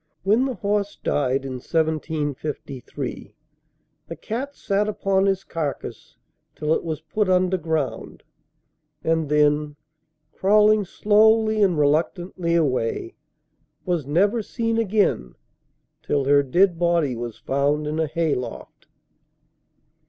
When the horse died, in 1753, the cat sat upon his carcase till it was put under ground, and then, crawling slowly and reluctantly away, was never seen again till her dead body was found in a hay loft.